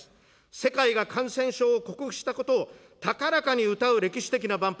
世界が感染症を克服したことを高らかにうたう歴史的な万博。